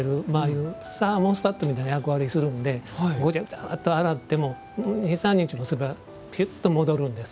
いわばサーモスタットみたいな役割するんでごちゃごちゃっと洗っても２３日干せばぴゅっと戻るんです。